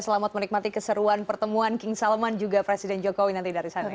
selamat menikmati keseruan pertemuan king salman juga presiden jokowi nanti dari sana